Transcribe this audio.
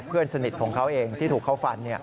เพื่อนสนิทของเขาเองที่ถูกเขาฟัน